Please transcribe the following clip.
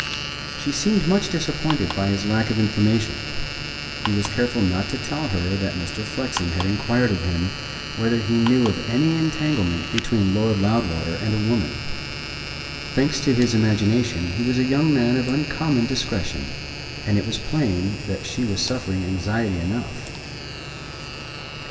She seemed much disappointed by his lack of information. He was careful not to tell her that Mr. Flexen had inquired of him whether he knew of any entanglement between Lord Loudwater and a woman. Thanks to his imagination he was a young man of uncommon discretion, and it was plain that she was suffering anxiety enough.